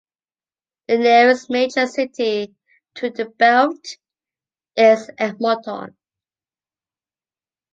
The nearest major city to the belt is Edmonton.